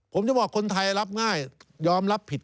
ผมจะบอกคนไทยรับง่ายยอมรับผิด